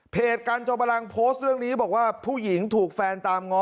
การจอมพลังโพสต์เรื่องนี้บอกว่าผู้หญิงถูกแฟนตามง้อ